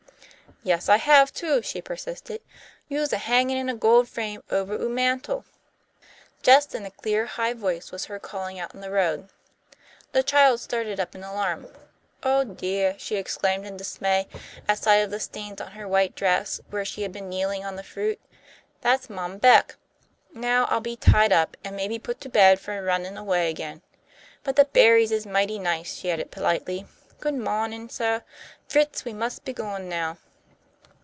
"Yes, I have too," she persisted. "You's a hangin' in a gold frame over ou' mantel." Just then a clear, high voice was heard calling out in the road. The child started up in alarm. "Oh, deah," she exclaimed in dismay, at sight of the stains on her white dress, where she had been kneeling on the fruit, "that's Mom Beck. Now I'll be tied up, and maybe put to bed for runnin' away again. But the berries is mighty nice," she added, politely. "Good mawnin', suh. Fritz, we mus' be goin' now."